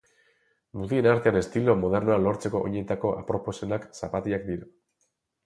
Mutilen artean estilo modernoa lortzeko oinetako aproposenak zapatilak dira.